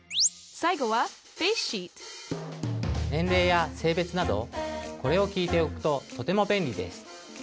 最後はフェイスシート年齢や性別などこれを聞いておくととても便利です。